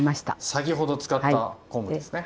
先ほど使った昆布ですね。